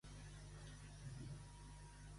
Hi ha també un carrer en homenatge a Enriqueta?